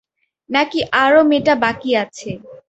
নাকি আরও মেটা বাকি আছে?